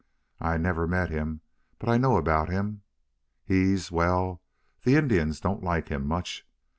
"I never met him. But I know about him. He's well, the Indians don't like him much.